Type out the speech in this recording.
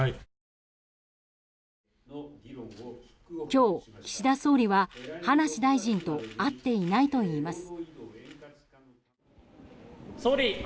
今日、岸田総理は葉梨大臣と会っていないといいます。